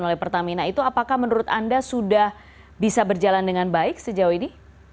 oleh pertamina itu apakah menurut anda sudah bisa berjalan dengan baik sejauh ini